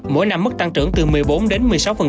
mỗi năm mức tăng trưởng từ một mươi bốn đến một mươi sáu